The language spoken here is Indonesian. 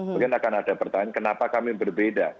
mungkin akan ada pertanyaan kenapa kami berbeda